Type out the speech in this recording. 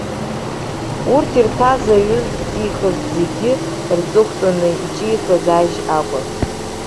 Урҭ ирҭаз аҩы зҵихыз зегьы рҵыхәтәаны иҿихыз ажь акәын.